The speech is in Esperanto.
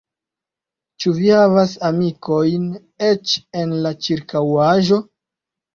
Ĉu vi havas amikojn eĉ en la ĉirkaŭaĵo?